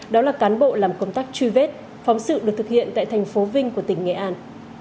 đó là cán bộ làm công tác truy vết phóng sự được thực hiện tại thành phố vinh của tỉnh nghệ an